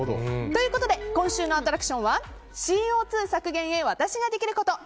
ということで今週のアトラクションはＣＯ２削減に私ができること！